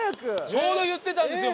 ちょうど言ってたんですよ。